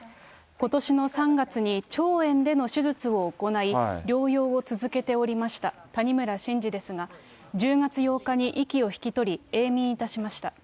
ことしの３月に腸炎での手術を行い、療養を続けておりました谷村新司ですが、１０月８日に息を引き取り、永眠いたしました。